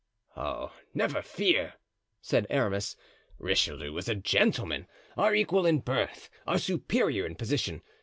"Oh! never fear," said Aramis. "Richelieu was a gentleman, our equal in birth, our superior in position.